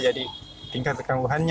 jadi tingkat tekan bukanya